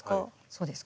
そうです。